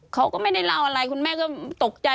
เขาก็ไม่ได้เล่าอะไรคุณแม่ก็ตกใจ